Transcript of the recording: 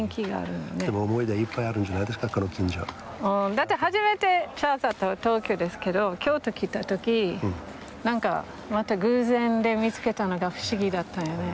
だって初めてチャールズと会ったのは東京ですけど京都来た時また偶然見つけたのが不思議だったよね？